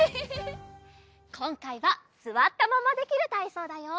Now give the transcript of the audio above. こんかいはすわったままできるたいそうだよ！